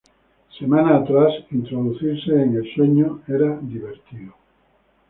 Semanas atrás, introducirse en El Sueño era divertido.